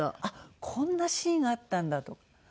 あっこんなシーンあったんだと。